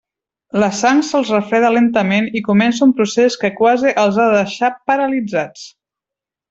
La sang se'ls refreda lentament i comença un procés que quasi els ha de deixar paralitzats.